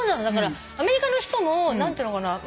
だからアメリカの人も何ていうのかな。